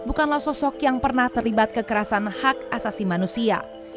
bukanlah sosok yang pernah terlibat kekerasan hak asasi manusia